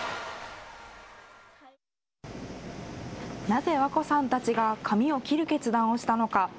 なぜ和恋さんたちが髪を切る決断をしたのか。